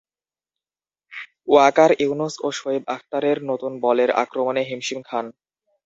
ওয়াকার ইউনুস ও শোয়েব আখতারের নতুন বলের আক্রমণে হিমশিম খান।